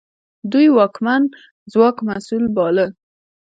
دوی واکمن ځواک مسوول باله.